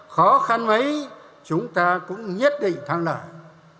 khó khăn mấy chúng ta cũng nhất định thắng lợi